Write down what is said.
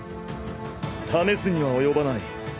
試すには及ばない。